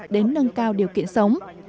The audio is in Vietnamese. đến nâng cao điều kiện sống